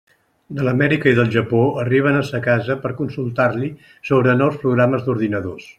De l'Amèrica i del Japó arriben a sa casa per a consultar-li sobre nous programes d'ordinadors.